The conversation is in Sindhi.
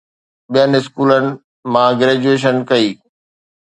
ٻين اسڪولن مان گريجوئيشن ڪئي؟